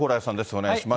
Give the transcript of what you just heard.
お願いします。